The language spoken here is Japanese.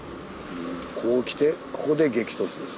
こう来てここで激突ですね。